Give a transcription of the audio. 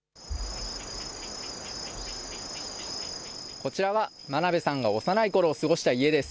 こちらは、真鍋さんが幼いころを過ごした家です。